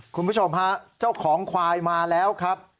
คุณผู้ชมฮะเจ้าของควายมาแล้วครับ